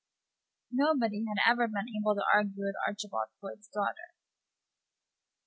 Nobody had ever been able to argue with Archibald Floyd's daughter.